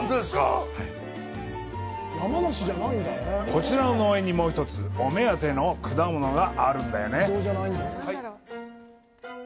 こちらの農園に、もう一つお目当ての果物があるんだよね。